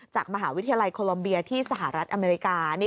จากมหาวิทยาลัยโคลอมเบียที่สหรัฐอเมริกา